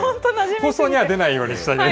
放送には出ないように。